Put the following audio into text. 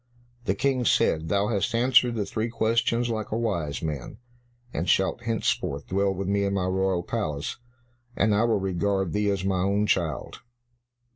The King said, "Thou hast answered the three questions like a wise man, and shalt henceforth dwell with me in my royal palace, and I will regard thee as my own child."